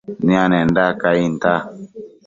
nianenda cainta